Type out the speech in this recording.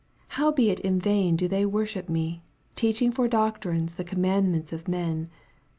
7 Howbeit in vain do they worship me, teaching for doctrines the com mandments of men.